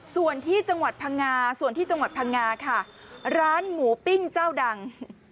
ส่วนที่จังหวัดพังงาค่ะร้านหมูปิ้งเจ้าดัง